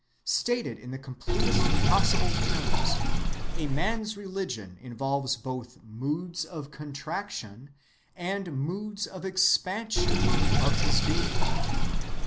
Stated in the completest possible terms, a man's religion involves both moods of contraction and moods of expansion of his being.